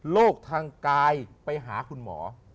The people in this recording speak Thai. โรคทางกายไปหาคุณหมอ